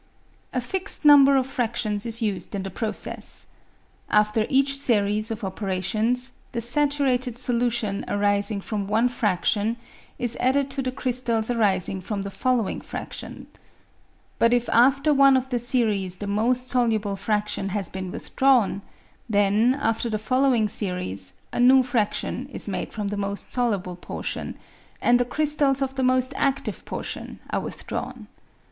A fixed number of fractions is used in the process. After each series of operations, the saturated solution arising from one fradtion is added to the crystals arising from the following fraction ; but if after one of the series the most soluble fradtion has been withdrawn, then, after the fol lowing series, a new fradtion is made from the most soluble portion, and the crystals of the most active portion are withdrawn.